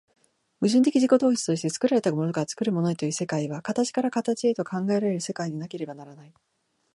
矛盾的自己同一として作られたものから作るものへという世界は、形から形へと考えられる世界でなければならない。